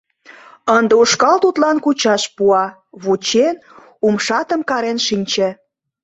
Ынде ушкал тудлан кучаш пуа — вучен, умшатым карен шинче.